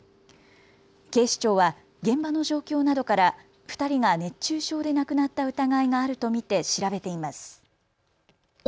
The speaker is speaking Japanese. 警視庁は現場の状況などから２人が熱中症で亡くなった疑いがあると見て調べています。